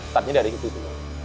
startnya dari situ